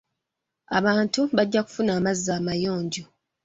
Abantu bajja kufuna amazzi amayonjo.